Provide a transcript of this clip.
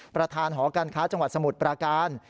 ประธานหอการค้าจังหวัดสมุทรปราการ